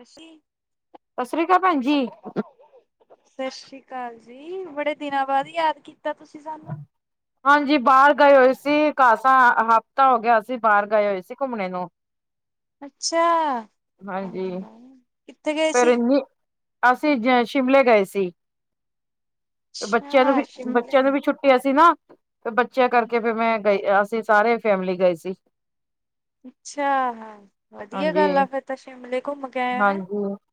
ਅਸੀ। ਸਤਿ ਸ੍ਰੀ ਅਕਾਲ ਭੈਣ ਜੀ। ਸਤਿ ਸ੍ਰੀ ਅਕਾਲ ਜੀ ਬੜੇ ਦਿਨਾਂ ਬਾਅਦ ਯਾਦ ਕੀਤਾ ਤੁਸੀਂ ਸਾਨੂੰ। ਹਾਂਜੀ ਬਾਹਰ ਗਏ ਹੋਏ ਸੀ ਕਾਸਾ ਹਫ਼ਤਾ ਹੋ ਗਿਆ ਸੀ ਬਾਹਰ ਗਏ ਹੋਏ ਸੀ ਘੁੰਮਣੇ ਨੂੰ। ਅੱਛਾ, ਹਾਂਜੀ ਕਿੱਥੇ ਗਏ ਫੇਰ ਸੀ? ਇੰਨੀ ਅਸੀਂ ਸ਼ਿਮਲੇ ਗਏ ਸੀ ਬੱਚਿਆਂ ਨੂੰ ਅੱਛਾ, ਵੀ, ਸ਼ਿਮਲੇ ਛੁੱਟੀਆਂ ਸੀ ਨਾ ਫ ਬੱਚਿਆਂ ਕਰਕੇ ਫੇਰ ਮੈਂ ਗਈ ਅਸੀਂ ਸਾਰੇ ਫੈਮਿਲੀ ਗਏ ਸੀ। ਅੱਛਾ ਵਧੀਆ ਹਾਂਜੀ ਗੱਲ ਆ ਫੇਰ ਤਾਂ ਸ਼ਿਮਲੇ ਘੁੰਮ ਕੇ ਆਏ ਹੈ।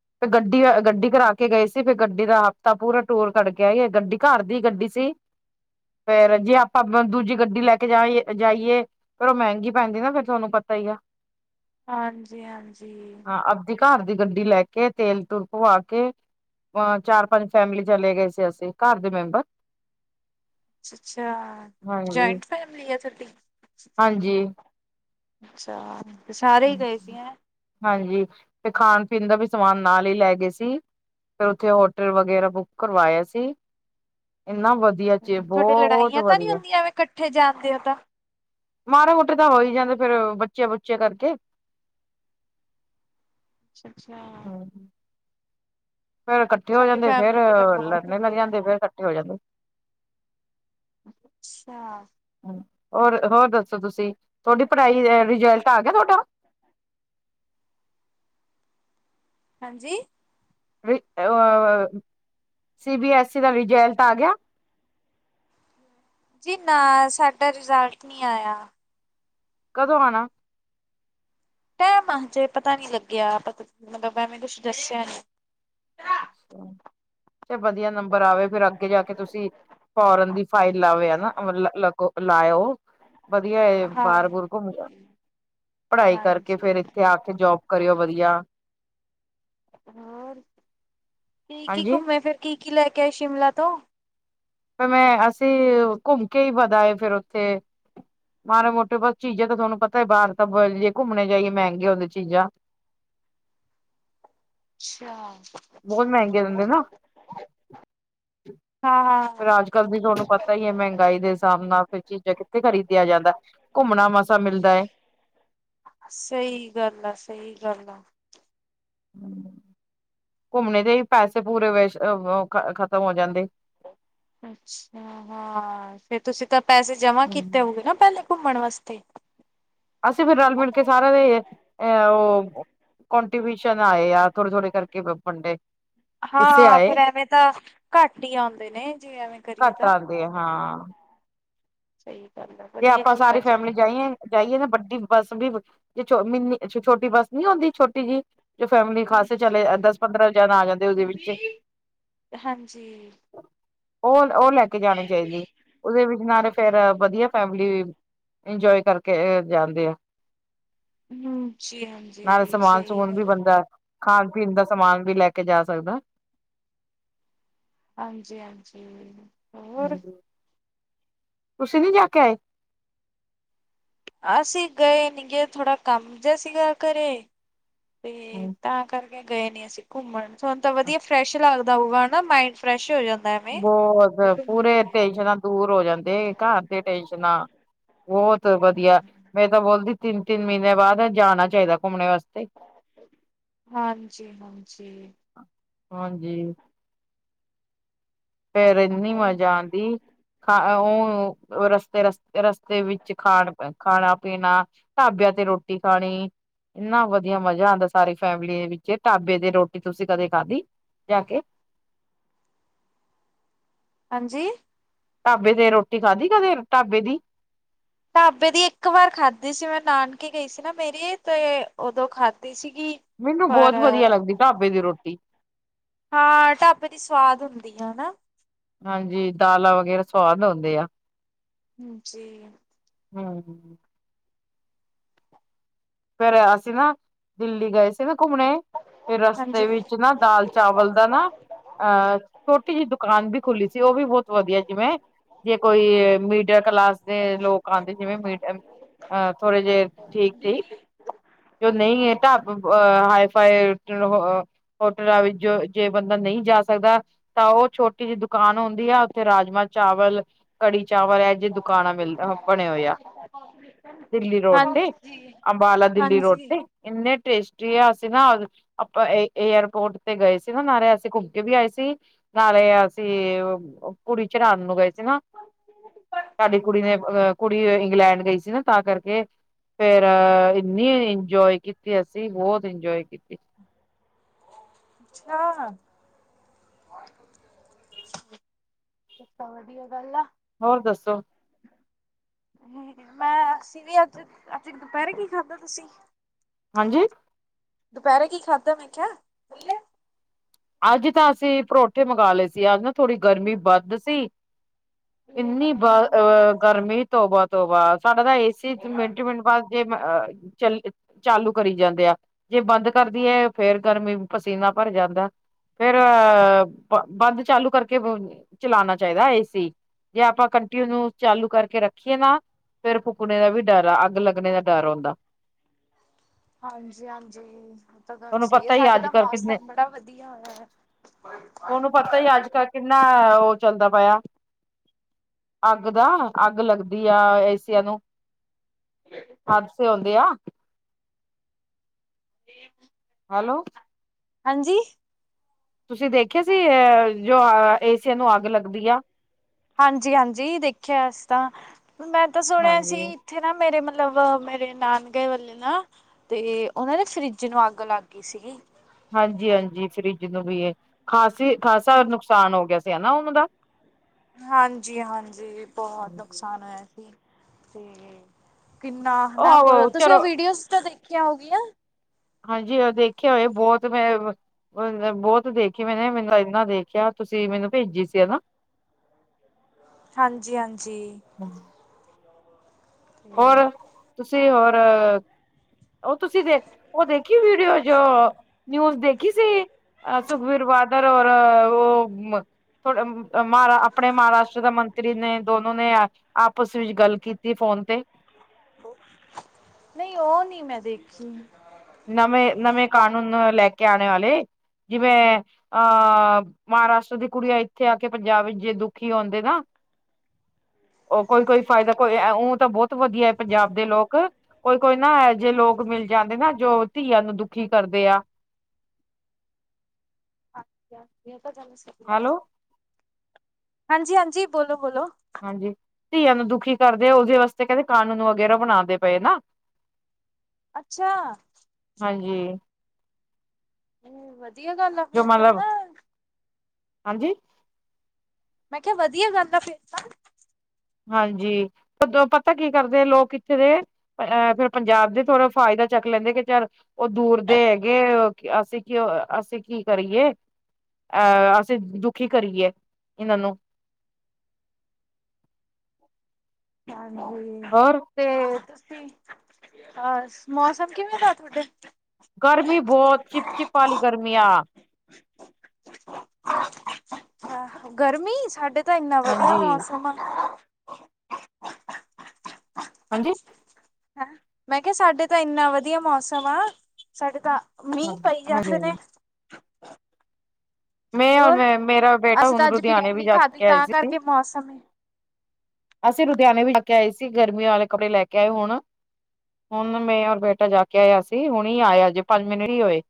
ਫੇਰ ਗੱਡੀ ਗੱਡੀ ਕਰਾ ਕੇ ਗਏ ਸੀ ਫੇਰ ਗੱਡੀ ਦਾ ਹਫ਼ਤਾ ਪੂਰਾ ਟੂਰ ਕੱਡਕੇ ਆਏ ਆ ਗੱਡੀ ਘਰ ਦੀ ਗੱਡੀ ਸੀ। ਫੇਰ ਜੇ ਆਪਾਂ ਦੂਜੀ ਗੱਡੀ ਲੈ ਕੇ ਜਾਈ ਤੇ ਜਾਈਏ। ਫੇਰ ਉਹ ਮਹਿੰਗੀ ਪੈਂਦੀ ਨਾ ਫੇਰ ਤੁਹਾਨੂੰ ਪਤਾ ਹੀ ਆ। ਹਾਂਜੀ- ਹਾਂਜੀ। ਹਾਂ ਆਪਦੀ ਘਰ ਦੀ ਗੱਡੀ ਲੈ ਕੇ ਤੇਲ- ਤੂਲ ਪਵਾ ਕੇ। ਅ ਚਾਰ- ਪੰਜ ਫੈਮਿਲੀ ਚਲੇ ਗਏ ਸੀ ਅਸੀਂ, ਘਰ ਦੇ ਮੈਂਬਰ। ਅ ਅੱਛਾ, ਹਾਂਜੀ ਜਾਇੰਟ ਫੈਮਲੀ ਆ ਤੁਹਾਡੀ? ਹਾਂਜੀ ਅੱਛਾ ਤੇ ਸਾਰੇ ਹੀ ਗਏ ਸੀ, ਐਂ। ਹਾਂਜੀ ਤੇ ਖਾਣ- ਪੀਣ ਦਾ ਵੀ ਸਮਾਨ ਨਾਲ ਹੀ ਲੈ ਗਏ ਸੀ। ਫੇਰ ਉੱਥੇ ਹੋਟਲ ਵਗੈਰਾ ਬੁੱਕ ਕਰਵਾਇਆ ਸੀ ਇੰਨਾ ਵਧ- ਤੁਹਾਡੇ ਲੜਾਈਆਂ ਤਾਂ ਨੀ ਹੁੰਦੀਆਂਵੇ ਫੇ ਇਕੱਠੇ ਜਾਣਦੇ ਹੋ ਤਾਂ। ਮਾੜੇ- ਮੋਟੇ ਤਾਂ ਹੋ ਹੀ ਜਾਂਦੇ ਫੇਰ ਬੱਚੇ ਬੁੱਚਿਆਂ ਕਰਕੇ। ਅੱਛਾ- ਅੱਛਾ। ਹੂੰ ਫੇਰ ਇਕੱਠੇ ਹੋ ਸਾਡੀ ਜਾਂਦੇ ਫੇਰ ਫੈਮਿਲੀ ਚ ਤਾਂ ਬਹੁਤ ਲਰਨੇ ਲਗ ਹੁੰਦੀਆਂ ਨੇ। ਜਾਂਦੇ ਫੇਰ, ਹੋ ਜਾਂਦੇ। ਅੱਛਾ। ਹੋਰ- ਹੋਰ ਦੱਸੋ ਤੁਸੀਂ ਤੁਹਾਡੀ ਪੜਾਈ ਰਿਜਲਟ ਆ ਗਿਆ ਤੁਹਾਡਾ? ਹਾਂਜੀ? ਅ ਸੀ ਬੀ ਐਸੀ ਦਾ ਰਿਜਲਟ ਆ ਗਿਆ। ਜੀ ਨਾ ਸਾਡਾ ਰਿਜ਼ਲਟ ਨੀ ਆਇਆ। ਕਦੋਂ ਆਣਾ? ਟੈਮ ਆ ਹਜੇ ਪਤਾ ਨੀ ਲੱਗਿਆ ਮਤਲਬ ਐਵੇਂ ਕੁਛ ਦੱਸਿਆ ਨੀ। ਅੱਛਾ ਵਧੀਆ ਨੰਬਰ ਆਵੇ ਫਿਰ ਅੱਗੇ ਜਾ ਕੇ ਤੁਸੀਂ ਫੋਰਨ ਦੀ ਫਾਈਲ ਲਾਵੇ ਹਨਾ ਲ ਲਾਇਓ। ਵਧੀਆ ਏ ਹਾਂ ਬਾਹਰ ਬੂਰ ਘੁੰਮ ਪੜ੍ਹਾਈ ਕਰਕੇ ਹਾਂਜੀ ਫੇਰ ਇੱਥੇ ਹਾਂਜੀ ਆ ਕੇ ਜੋਬ ਕਰਿਓ ਵਧੀਆ। ਹੋਰ ਕੀ ਕੀ ਹਾਂਜੀ ਘੁੰਮੇ ਫਿਰ ਕੀ ਕੀ ਲੈ ਕੇ ਆਏ ਸ਼ਿਮਲਾ ਤੋਂ? ਫਿਰ ਮੈਂ ਅਸੀਂ ਘੁੰਮ ਕੇ ਹੀ ਪਤਾ ਫੇਰ ਉੱਥੇ ਮਾੜੇ ਮੋਟੇ ਬਸ ਚੀਜ਼ਾਂ ਤਾਂ ਤੁਹਾਨੂੰ ਪਤਾ ਹੀ ਬਾਹਰ ਤਾਂ ਜੇ ਘੁੰਮਣੇ ਜਾਈਏ ਮਹਿੰਗੇ ਹੁੰਦੇ ਚੀਜ਼ਾਂ। ਅੱਛਿਆ। ਬਹੁਤ ਮਹਿੰਗੀ ਦਿੰਦੇ ਨਾ। ਹਾਂ ਫਿਰ ਹਾਂ ਅੱਜ ਕੱਲ ਦੀ ਤੁਹਾਨੂੰ ਪਤਾ ਈ ਐ ਮਹਿੰਗਾਈ ਦੇ ਹਿਸਾਬ ਨਾਲ ਫਿਰ ਚੀਜ਼ਾਂ ਕਿੱਥੇ ਖਰੀਦਿਆ ਜਾਂਦਾ। ਘੁੰਮਣਾ ਮਸਾ ਮਿਲਦਾ ਏ। ਸਹੀ ਗੱਲ ਆ ਸਹੀ ਗੱਲ ਆ। ਘੁੰਮਣੇ ਦੇ ਈ ਪੈਸੇ ਪੂਰੇ ਖਤਮ ਹੋ ਜਾਂਦੇ। ਅੱਛਾ ਹਾਂ ਫਿਰ ਤੁਸੀਂ ਤਾਂ ਪੈਸੇ ਜਮ੍ਹਾਂ ਕੀਤੇ ਹੋਗੇ ਨਾ ਪਹਿਲੇ ਘੁੰਮਣ ਵਾਸਤੇ। ਅਸੀਂ ਫਿਰ ਰਲ ਮਿਲ ਕੇ ਸਾਰਿਆਂ ਦੇ ਅਹ ਓ ਕੰਟਬਿਊਸ਼ਨ ਆਏ ਆ ਥੋੜੇ ਥੋੜੇ ਕਰਕੇ ਵੰਡੇ ਹਿੱਸੇ ਹਾਂ ਆਏ ਫੇਰ ਐਵੇਂ ਤਾਂ ਘੱਟ ਹੀ ਆਂਦੇ ਨੇ ਜੇ ਐਵੇਂ ਕਰੀਏ ਘੱਟ ਤਾਂ। ਆਉਂਦੇ ਆ ਹਾਂ। ਸਹੀ ਗੱਲ ਆ ਜੇ ਵਧੀਆ ਆਪਾਂ ਕੀਤਾ ਸਾਰੀ ਚੱਲ ਫੈਮਿਲੀ ਜਾਈਏ ਜਾਈਏ ਨਾ ਵੱਡੀ ਬੱਸ ਵੀ ਜੇ ਮੀਨੀ ਛੋਟੀ ਬੱਸ ਨੀ ਹੁੰਦੀ ਛੋਟੀ ਜੀ। ਜੋ ਫੈਮਿਲੀ ਖਾਸੇ ਚਲੇ ਹਾਂਜੀ। ਦਸ ਪੰਦਰਾਂ ਜਣਾ ਆ ਜਾਂਦੇ ਉਹਦੇ ਵਿੱਚ ਹਾਂਜੀ, ਓ ਓ ਲੈ ਕੇ ਜਾਣੀ ਚਾਹੀਦੀ ਉਹਦੇ ਵਿੱਚ ਨਾਲੇ ਫੇਰ ਵਧੀਆ। ਫੈਮਿਲੀ ਇੰਜੋਏ ਕਰਕੇ ਜਾਂਦੇ ਆ। ਹੂੰ, ਜੀ ਨਾਲ ਹਾਂਜੀ ਸਮਾਨ ਸਹੀ ਸਮੂਨ ਵੀ ਗੱਲ ਆ। ਬੰਦਾ ਖਾਣ ਪੀਣ ਦਾ ਸਮਾਨ ਵੀ ਲੈ ਕੇ ਜਾ ਸਕਦਾ। ਹਾਂਜੀ ਹਾਂਜੀ ਹੋਰ ਤੁਸੀਂ ਨੀ ਜਾ ਕੇ ਆਏ? ਅਸੀਂ ਗਏ ਨੀਗੇ ਥੋੜਾ ਕੰਮ ਨਾ ਸੀਗਾ ਘਰੇ। ਤੇ ਤਾਂ ਕਰਕੇ ਗਏ ਨੀ ਅਸੀਂ ਘੁੰਮਣ ਸਾਨੂੰ ਤਾਂ ਵਧੀਆ ਫਰੈਸ਼ ਲੱਗਦਾ ਹੋਊਗਾ ਹਨਾ ਮਾਇੰਡ ਫਰੈਸ਼ ਹੋ ਜਾਂਦਾ ਐਵੇ ਬਹੁਤ ਪੂਰੇ [unintelligible] ਟੈਨਸ਼ਨਾਂ ਦੂਰ ਹੋ ਜਾਂਦੇ ਘਰ ਦੇ ਟੈਸ਼ਨਾਂ ਬਹੁਤ ਵਧੀਆ ਹਾਂ ਤਾਂ ਬੋਲਦੀ ਤਿੰਨ ਤਿੰਨ ਮਹੀਨੇ ਬਾਅਦ ਜਾਣਾ ਚਾਹੀਦਾ ਘੁੰਮਣੇ ਵਾਸਤੇ। ਹਾਂਜੀ ਹਾਂਜੀ। ਹਾਂਜੀ, ਫੇਰ ਇੰਨੀ ਮਜ਼ਾ ਆਂਦੀ ਹਾਂ ਓ ਰਸਤੇ ਰਸਤੇ ਰਸਤੇ ਵਿੱਚ ਖਾਣ ਖਾਣਾ ਪੀਣਾ ਢਾਬਿਆਂ ਤੇ ਰੋਟੀ ਖਾਣੀ। ਇੰਨਾ ਵਧੀਆ ਮਜ਼ਾ ਆਂਦਾ ਸਾਰੀ ਫੈਮਲੀ ਵਿੱਚ ਢਾਬੇ ਦੀ ਰੋਟੀ ਤੁਸੀਂ ਕਦੇ ਖਾਧੀ ਜਾ ਕੇ। ਹਾਂਜੀ। ਢਾਬੇ ਤੇ ਰੋਟੀ ਖਾਧੀ ਕਦੇ ਢਾਬੇ ਦੀ। ਢਾਬੇ ਦੀ ਇੱਕ ਵਾਰ ਖਾਧੀ ਸੀ ਮੈਂ ਨਾਨਕੇ ਗਈ ਸੀ ਨਾ ਮੇਰੀ ਤੇ ਉਦੋਂ ਖਾਧੀ ਦੇਸੀ ਘੀ। ਮੈਨੂੰ ਬਹੁਤ ਵਧੀਆ ਲੱਗਦੀ ਢਾਬੇ ਦੀ ਰੋਟੀ। ਹਾਂ ਢਾਬੇ ਦੀ ਸਵਾਦ ਹੁੰਦੀ ਆ ਹਨਾ। ਹਾਂਜੀ ਦਾਲਾਂ ਵਗੈਰਾ ਸਵਾਦ ਹੁੰਦੀ ਆ। ਜੀ। ਹਾਂਜੀ। ਫੇਰ ਅਸੀਂ ਨਾ ਦਿੱਲੀ ਗਏ ਸੀ ਨਾ ਘੁੰਮਣੇ। ਫਿਰ ਹਾਂਜੀ ਰਸਤੇ ਵਿੱਚ ਨਾ ਦਾਲ ਚਾਵਲ ਦਾ ਨਾ। ਆ ਛੋਟੀ ਜੀ ਦੁਕਾਨ ਵੀ ਖੁੱਲੀ ਸੀ ਉਹ ਵੀ ਬਹੁਤ ਵਧੀਆ ਜਿਵੇਂ ਜੇ ਕੋਈ ਮੀਡਲ ਕਲਾਸ ਦੇ ਲੋਕ ਆਂਦੇ ਜਿਵੇਂ ਮੀਡਲ ਆ ਜਿਵੇਂ ਥੋੜੇ ਜੇ। ਠੀਕ ਠੀਕ ਜੋ ਨਹੀਂ ਐ ਤਾਂ ਅ ਹਾਈ ਫਾਈ [unintelligible] ਹੋਟਲਾਂ ਵਿੱਚ ਜੋ ਜੇ ਬੰਦਾ ਨਹੀਂ ਜਾ ਸਕਦਾ। ਤਾਂ ਓ ਛੋਟੀ ਜੀ ਦੁਕਾਨ ਹੁੰਦੀ ਆ ਉੱਥੇ ਰਾਜਮਾਂ ਚਾਵਲ ਕੜੀ ਚਾਵਲ ਦੀ ਦੁਕਾਨਾਂ ਮਿਲ ਬਣੇ ਹੋਏ ਆ ਦਿੱਲੀ ਹਾਂ ਰੋਡ ਤੇ ਜੀ ਅੰਬਾਲਾ। ਦਿੱਲੀ ਰੋਡ ਹਾਂਜੀ ਤੇ ਇੰਨੇ ਟੇਸਟੀ ਅਸੀਂ ਨਾ ਆਪਾਂ ਏ ਏਅਰਪੋਰਟ ਤੇ। ਗਏ ਸੀ ਨਾ ਨਾਲੇ ਅਸੀਂ ਘੁੰਮ ਕੇ ਵੀ ਆਏ ਸੀ ਨਾਲੇ ਅਸੀਂ ਕੁੜੀ ਚੜਾਨ ਨੂੰ ਗਏ ਸੀ ਨਾ। ਸਾਡੀ ਕੁੜੀ ਨੇ ਅਹ ਕੁੜੀ ਇੰਗਲੈਂਡ ਗਈ ਸੀ ਨਾ ਤਾਂ ਕਰਕੇ ਫੇਰ ਅ ਇੰਨੀ ਇੰਜੋਏ ਕੀਤੀ ਅਸੀਂ ਬਹੁਤ ਇੰਜੋਏ ਕੀਤੀ। ਅੱਛਾ। ਏ ਤਾਂ ਵਧੀਆ ਗੱਲ ਆ। ਹੋਰ ਦੱਸੋ? [inaudible] ਮੈਂ ਅਸੀ ਵੀ ਅੱਜ ਅੱਜ ਦੁਪਹਿਰੇ ਕੀ ਖਾਧਾ ਤੁਸੀਂ। ਹਾਂਜੀ, ਦੁਪਹਿਰੇ ਕੀ ਖਾਧਾ ਮੈਂ ਕਿਹਾ? ਅੱਜ ਤਾਂ ਅਸੀਂ ਪਰੌਠੇ ਮੰਗਾ ਲਏ ਸੀ ਅੱਜ ਨਾ ਥੋੜ੍ਹੀ ਗਰਮੀ ਵੱਧ ਸੀ। ਇੰਨੀ ਬ ਗਰਮੀ ਤੋਬਾ ਤੋਬਾ ਸਾਡਾ ਤਾਂ ਏਸੀ ਮਿੰਟ ਮਿੰਟ ਬਾਅਦ ਏ ਮ ਅ ਚੱਲ ਚਾਲੂ ਕਰੀ ਜਾਂਦੇ ਆ। ਜੇ ਬੰਦ ਕਰ ਦਈ ਏ ਫੇਰ ਗਰਮੀ ਪਸੀਨਾ ਭਰ ਜਾਂਦਾ। ਫੇਰ ਬੰਦ ਚਾਲੂ ਕਰਕੇ ਚਲਾਣਾ ਚਾਹੀਦਾ ਏ ਸੀ। ਜੇ ਆਪਾਂ ਕੰਟੀਨਿਊ ਚਾਲੂ ਕਰਕੇ ਰੱਖੀਏ ਨਾ। ਫਿਰ ਫੂਕਣੇ ਦਾ ਵੀ ਡਰ ਆ ਅੱਗ ਲੱਗਣੇ ਦਾ ਡਰ ਹੁੰਦਾ। ਹਾਂਜੀ ਹਾਂਜੀ। ਉਹ ਤਾਂ ਗੱਲ ਤੁਹਾਨੂੰ ਸਹੀ ਆ ਪਤਾ ਹੀ ਸਾਡੇ ਅੱਜ ਤਾਂ ਕੱਲ ਕਿੰਨੇ ਮੌਸਮ ਬੜਾ ਵਧੀਆ ਹੋਇਆ। ਤੇ ਅੱਜ ਕੱਲ੍ਹ ਕਿੰਨਾ ਓ ਚੱਲਦਾ ਪਿਆ। ਅੱਗ ਦਾ ਅੱਗ ਲੱਗਦੀ ਆ ਏਸੀਆਂ ਨੂੰ ਹਾਦਸੇ ਹੁੰਦੇ ਆ। [inaudible] ਹੈਲੋ, ਹਾਂਜੀ। ਤੁਸੀਂ ਦੇਖਿਆ ਸੀ ਅ ਜੋ ਏਸੀਆਂ ਨੂੰ ਅੱਗ ਲੱਗਦੀ ਆ। ਹਾਂਜੀ ਹਾਂਜੀ ਦੇਖਿਆ ਅਸੀਂ ਤਾਂ ਮੈਂ ਤਾਂ ਸੁਣਿਆ ਹਾਂਜੀ ਸੀ। ਉੱਥੇ ਨਾ ਮੇਰੇ ਮਤਲਬ ਮੇਰੇ ਨਾਨਕੇ ਵੱਲ ਨਾ। ਤੇ ਉਹਨਾਂ ਦੇ ਫਰਿੱਜ ਨੂੰ ਅੱਗ ਲਾਗੀ ਸੀਗੀ। ਹਾਂਜੀ ਹਾਂਜੀ ਫਰਿਜ ਨੂੰ ਵੀ ਖਾਸੀ ਖਾਸਾ ਨੁਕਸਾਨ ਹੋ ਗਿਆ ਸੀ ਨਾ ਉਹਨਾਂ ਦਾ ਹਾਂਜੀ ਹਾਂਜੀ ਬਹੁਤ ਹਾਂਜੀ, ਨੁਕਸਾਨ ਹੋਇਆ ਸੀ ਤੇ ਕਿੰਨਾ ਹਨ ਉਹ ਤੁਸੀਂ ਉਹ ਚਲੋ ਵੀਡੀਓਜ਼ ਤਾਂ ਦੇਖੀਆਂ ਹੋਓਗੀਆਂ। ਹਾਂਜੀ ਉਹ ਦੇਖੇ ਹੋਏ ਬਹੁਤ ਮੈਂ [unintelligible] ਬਹੁਤ ਦੇਖੀ ਮੈਨੇ ਮੈਨੂੰ ਇਨਾ ਦੇਖਿਆ ਤੁਸੀਂ ਮੈਨੂੰ ਭੇਜੀ ਸੀ ਹਨਾ। ਹਾਂਜੀ ਹਾਂਜੀ। ਹਂ। ਹੋਰ ਤੁਸੀਂ ਹੋਰ ਉਹ ਤੁਸੀਂ ਦੇ ਉਹ ਦੇਖੀ ਵੀਡੀਓ ਜੋ ਨਿਊਜ਼ ਦੇਖੀ ਸੀ। ਸੁਖਬੀਰ ਬਾਦਰਰ ਔਰ ਉਹ ਥੋੜਾ ਮਹਾਰ ਆਪਣੇ ਮਹਾਰਾਸ਼ਟਰ ਦਾ ਮੰਤਰੀ ਨੇ ਦੋਨੋ ਨੇ ਅ ਆਪਸ ਵਿੱਚ ਗੱਲ ਕੀਤੀ ਫੋਨ ਤੇ ਨਈਂ ਉਹ ਨ੍ਹੀਂ ਮੈਂ ਦੇਖੀ। ਨਵੇਂ ਨਵੇਂ ਕਾਨੂੰਨ ਲੈ ਕੇ ਆਣੇ ਵਾਲੇ ਜਿਵੇਂ ਅਹ ਮਹਾਰਾਸ਼ਟਰ ਦੀ ਕੁੜੀਆਂ ਇੱਥੇ ਆ ਕੇ ਪੰਜਾਬ ਵਿੱਚ ਜੇ ਦੁਖੀ ਆਉਂਦੇ ਨਾ। ਉਹ ਕੋਈ ਕੋਈ ਫਾਇਦਾ ਕੋਈ ਇਉ ਤਾਂ ਬਹੁਤ ਵਧੀਆ ਪੰਜਾਬ ਦੇ ਲੋਕ ਕੋਈ ਕੋਈ ਨਾ ਇਹ ਜਿਹੇ ਲੋਕ ਮਿਲ ਜਾਂਦੇ ਨਾ ਜੋ ਧੀਆਂ ਨੂੰ ਦੁਖੀ ਕਰਦੇ ਆ। ਇਹ ਤਾਂ ਗੱਲ ਸਹੀ ਐ। ਹੈਲੋ। ਹਾਂਜੀ ਹਾਂਜੀ, ਬੋਲੋ ਬੋਲੋ। ਹਾਂਜੀ, ਧੀਆਂ ਨੂੰ ਦੁਖੀ ਕਰਦੇ ਆ ਉਹਦੇ ਵਾਸਤੇ ਕਹਿੰਦੇ ਕਾਨੂੰਨ ਵਗੈਰਾ ਬਣਾਂਦੇ ਪਏ ਨਾ। ਅੱਛਾ। ਹਾਂਜੀ। ਵਧੀਆ ਗੱਲ ਆ ਜੋ ਫੇਰ ਤਾਂ ਮਤਲਬ ਹੈਂ! ਹਾਂਜੀ। ਮੈਂ ਕਿਹਾ, ਵਧੀਆ ਗੱਲ ਆ ਫਿਰ ਤਾਂ। ਹਾਂਜੀ! ਪਤ ਪਤਾ ਕੀ ਕਰਦੇ ਆ ਲੋਕ ਇੱਥੇ ਦੇ। ਪਰ ਇਹ, ਫਿਰ ਪੰਜਾਬ ਦੇ ਥੋੜਾ ਫਾਇਦਾ ਚੱਕ ਲੈਂਦੇ ਕਿ ਚੱਲ, ਉਹ ਦੂਰ ਦੇ ਹੈਗੇ ਕਿ, ਅਸੀਂ ਕਿੳ, ਅਸੀ ਕੀ ਕਰੀਏ। ਅਹ, ਅਸੀਂ ਦੁਖੀ ਕਰੀਏ ਇਹਨਾਂ ਨੂੰ। ਹਾਂਜੀ। ਹੋਰ। ਤੇ ਤੁਸੀਂ, ਅਹ, ਮੌਸਮ ਕਿਵੇਂ ਦਾ ਤੁਹਾਡੇ? ਗਰਮੀ ਬੋਅਤ, ਚਿਪ-ਚਿਪ ਵਾਲੀ ਗਰਮੀ ਆ। ਅਹ, ਗਰਮੀ? ਸਾਡੇ ਤਾਂ ਇੰਨਾ ਵਧੀਆ ਹਾਂਜੀ ਮੌਸਮ ਆ। ਹਾਂਜੀ? ਹੈਂ ਮੈਂ ਕਿਹਾ, ਸਾਡੇ ਤਾਂ ਇੰਨਾ ਵਧੀਆ ਮੌਸਮ ਆ ਸਾਡੇ ਤਾਂ ਮੀਂਅ ਹਾਂਜੀ ਪਈ ਹਾਂਜੀ ਜਾਂਦੇ ਨੇ। ਮੈਂ ਹੋਰ ਮੈਂ ਮੇਰਾ ਬੇਟਾ, ਹੁਣ ਲੁਧਿਆਣੇ ਵੀ ਜਾ ਕੇ ਆਏ ਸੀ। ਕੇ ਮੌਸਮ ਕੇ ਅਸੀਂ ਲੁਧਿਆਣੇ ਵੀ ਜਾ ਕੇ ਆਏ ਸੀ, ਗਰਮੀਆਂ ਵਾਲੇ ਕੱਪੜੇ ਲੈ ਕੇ ਆਏ ਹੁਣ। ਹੁਣ ਮੈਂ ਓਰ ਬੇਟਾ ਜਾ ਕੇ ਆਏ ਅਸੀਂ, ਹੁਣਿ ਆਏ ਅਜੇ ਪੰਜ ਮਿੰਟ ਈ ਹੋਏ।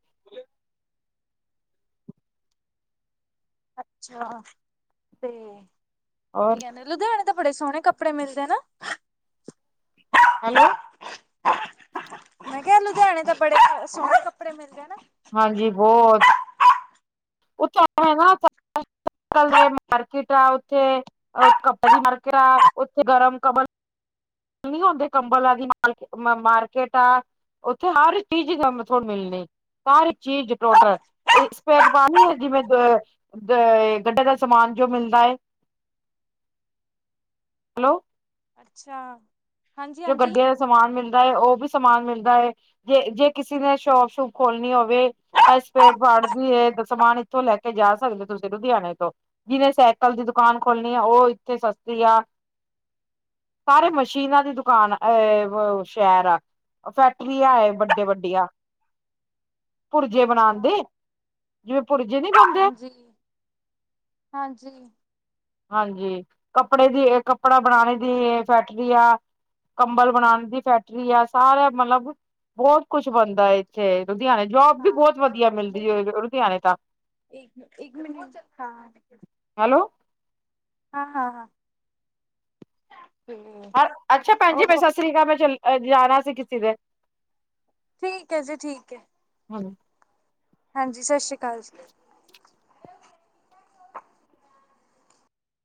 ਅੱਛਾ! ਤੇ, ਕੀ ਔਰ ਕਿਹਂਦੇ? ਲੁਧਿਆਣੇ ਤਾ ਬੜੇ ਸੋਹਣੇ ਕੱਪੜੇ ਮਿਲਦੇ ਨਾ! ਹੈਲੋ [unintelligible] ਮੈਂ ਕਿਹਾ, ਲੁਧਿਆਣੇ ਤਾਂ ਬੜੇ ਸੋਹਣੇ ਕੱਪੜੇ ਮਿਲਦੇ ਹਨਾ। ਹਾਂਜੀ ਬੋਤ [unintelligible] ਕਲ ਦੇ ਮਾਰਕੀਟ ਆ ਓਥੇ, [unintelligible] ਓਥੇ ਗਰਮ ਕੰਬਲ ਨੀ ਓਂਦੇ ਕੰਬਲਾਂ ਦੀ ਮਾਰਕੀ ਮਾਰਕੀਟ ਆ, ਓਥੇ ਹਰ ਚੀਜ਼ ਈ ਗ ਹੁਣ ਮੇਲਣੀ, ਹਰ ਚੀਜ਼ ਟੋਟਲ ਏ ਸਪੇਟ ਪਾਣ ਨੀ ਹੇਗੀ ਵੇ ਜੋ, ਜੈ ਗੱਡਾ ਦਾ ਸਮਾਨ ਜੋ ਮੇਲਦਾ ਏ। [inaudible] ਹੈਲੋ। ਅੱਛਾ। ਹਾਂਜੀ ਜੋ ਹਾਂਜੀ ਗੱਡੇਆਂ ਦਾ ਸਮਾਨ ਮੇਲਦਾ ਏ, ਓ ਵੀ ਸਮਾਨ ਮੇਲਦਾ ਏ। ਜੇ-ਜੇ ਕੇਸੀ ਨੇ ਸ਼ੋਪ- ਸ਼ੂਪ ਖੋਲਣੀ ਹੋਵੇ ਤਾਂ ਸੑਪੇਰਪਾਰਟ ਦੀ ਏ ਸਮਾਨ ਏਥੋਂ ਲੈ ਕੇ ਜਾ ਸਕਦੇ ਓ ਤੁਸੀਂ ਲੁਦੇਆਣੇ ਤੋਂ। ਜੀਨੇ ਸੈਕਲ ਦੀ ਦੁਕਾਨ ਖੋਲਣੀ ਆ ਓ ਏਥੇ ਸਸਤੀ ਆ। ਸਾਰੇ ਮਸ਼ੀਨਾਂ ਦੀ ਦੁਕਾਨ ਏ ਵ ਸੈ਼ਰ ਆ, ਅ ਫੈਕਟਰੀਆ ਏ ਵੱਡੇ ਵੱਡੀਆ। ਪੁਰਜੇ ਬਣਾਣ ਅੱਛਾ ਦੇ, ਜੇਵੇਂ ਪੁਰਜੇ ਨੀ ਬਣਦੇ। ਹਾਂਜੀ ਹਾਂਜੀ। ਹਾਂਜੀ, ਕੱਪੜੇ ਦੀ ਏ ਕੱਪੜਾ ਬਣਾਣੇ ਦੀ ਏ ਫੈਟਰੀ ਆ। ਕੰਬਲ ਬਣਾਣ ਦੀ ਫੈਟਰੀ ਆ, ਸਾਰੇ ਮਲਬ ਬੌਤ ਕੁਛ ਬਣਦਾ ਏਥੇ। ਲੁਦੇਆਣੇ ਜੋਬ ਵੀ ਹਾਂ ਬੌਤ ਵਧੀਆ ਮੇਲਦੀ ਏ ਲੁਦੇਆਣੇ ਤਾਂ। ਇਕ ਇਕ ਮੇਂਟ [unintelligible] ਹਾਂ। ਹੈਲੋ ਹਾਂ-ਹਾਂ। ਅਰ ਅੱਛਾ ਭੈਣ ਜੀ ਫੇਰ ਸਸਰੀ ਕਾਲ ਮੈਂ ਚਲ ਜਾਣਾ ਸੀ ਕੀਸੀ ਦੇ। ਠੀਕ ਏ ਜੀ, ਠੀਕ ਏ। ਹੂੰ। ਹਾਂਜੀ ਸਸਰੀ ਕਾਲ ਜੀ।